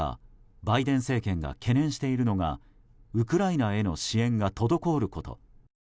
バイデン政権が懸念しているのがウクライナへの支援が滞ること。